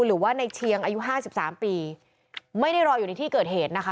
หรือว่าในเชียงอายุห้าสิบสามปีไม่ได้รออยู่ในที่เกิดเหตุนะคะ